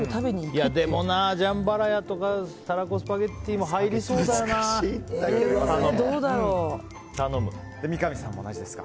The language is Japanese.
でもなジャンバラヤとかたらこスパゲッティも三上さんも同じですか？